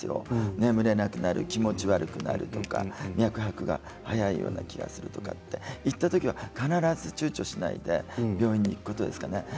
眠れなくなる、気持ちが悪くなる脈拍が早いような気がするそういった時はちゅうちょしないで病院に行くことですかね。